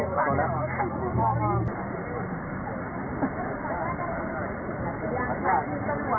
สวัสดีครับ